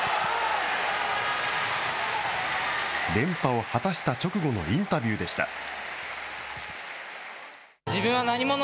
連覇を果たした直後のインタビューでした。